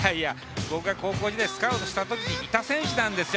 僕が高校時代スカウトしたとき、いた選手なんですよ。